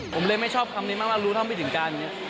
ผมเลยไม่ชอบคำนี้มากและรู้ทำไปถึงการนี้